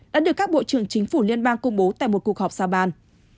đã được các bộ trưởng chính phủ liên bang công bố tại một cuộc họp xa ban